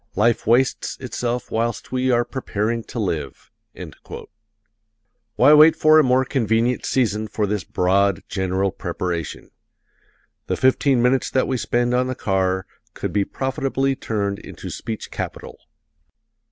Life wastes itself whilst we are preparing to live." Why wait for a more convenient season for this broad, general preparation? The fifteen minutes that we spend on the car could be profitably turned into speech capital.